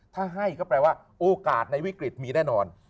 ถ้าให้ก็แปลว่าโอกาสในวิกฤตมีแน่นอน